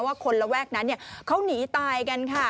คนระแวกนั้นเขาหนีตายกันค่ะ